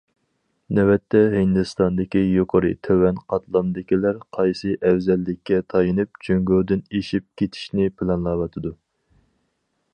نۆۋەتتە ھىندىستاندىكى يۇقىرى تۆۋەن قاتلامدىكىلەر قايسى ئەۋزەللىككە تايىنىپ جۇڭگودىن ئېشىپ كېتىشنى پىلانلاۋاتىدۇ.